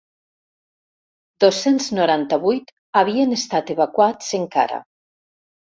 Dos-cents noranta-vuit havien estat evacuats, encara.